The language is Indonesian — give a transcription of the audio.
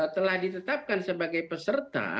telah ditetapkan sebagai peserta